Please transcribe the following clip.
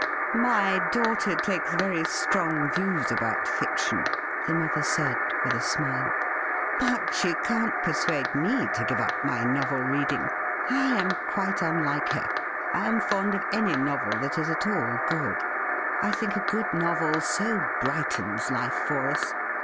' My daughter takes very strong views about fiction,' the mother said, with a smile. ' But she can't persuade me to give up my novel reading. I am quite unhke her ; I am fond of any novel that is at all good. I think a good novel so brightens life for us.'